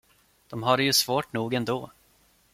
De har det ju svårt nog ändå.